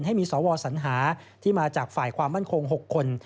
ให้มีสวสัญหาที่มาจากฝ่ายความมั่นคง๖คน